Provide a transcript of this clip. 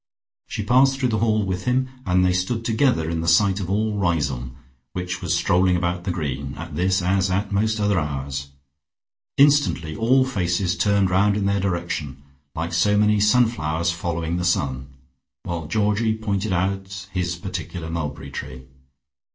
She passed through the hall with him, and they stood together in the sight of all Riseholme, which was strolling about the green at this as at most other hours. Instantly all faces turned round in their direction, like so many sunflowers following the sun, while Georgie pointed out his particular mulberry tree.